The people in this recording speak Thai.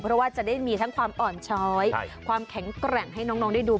เพราะว่าจะได้มีทั้งความอ่อนช้อยความแข็งแกร่งให้น้องได้ดู